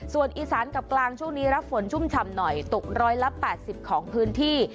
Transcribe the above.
ส่วนอีสานกับกลางช่วงนี้รับฝนชุ่มฉ่ำหน่อยตกร้อยละ๘๐ของพื้นที่